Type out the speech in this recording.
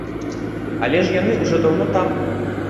Але ж яны ўжо даўно там!